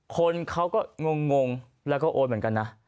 คนเขาก็งงแล้วก็โอนเหมือนกันนะ